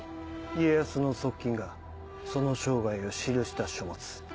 家康の側近がその生涯を記した書物。